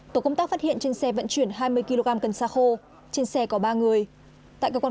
tổ công tác phát hiện trên xe vận chuyển hai mươi kg cân xa khô trên xe có ba người